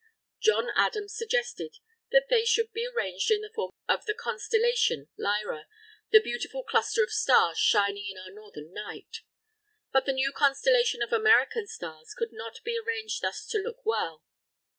John Adams suggested that they should be arranged in the form of the Constellation Lyra, the beautiful cluster of stars shining in our northern night. But the new Constellation of American Stars could not be arranged thus to look well.